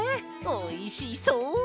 おいしそう！